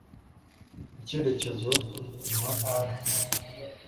icyerekezo nka arc